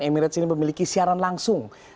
emirates ini memiliki siaran langsung